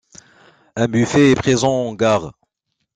Un buffet est présent en gare.